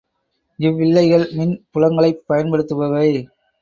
இவ்வில்லைகள் மின் புலங்களைப் பயன்படுத்துபவை.